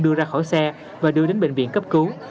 đưa ra khỏi xe và đưa đến bệnh viện cấp cứu